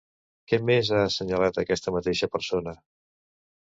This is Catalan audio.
Què més ha assenyalat aquesta mateixa persona?